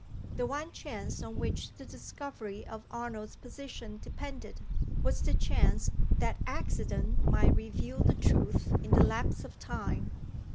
The one chance on which the discovery of Arnold's position depended, was the chance that accident might reveal the truth in the lapse of time.